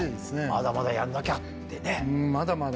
まだまだやんなきゃってね。